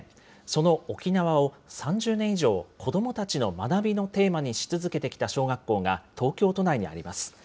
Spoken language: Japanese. その沖縄を３０年以上、子どもたちの学びのテーマにし続けてきた小学校が、東京都内にあります。